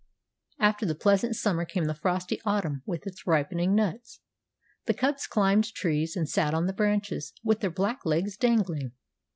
After the pleasant summer came the frosty autumn with its ripening nuts. The cubs climbed trees and sat on the branches, with their black legs dangling.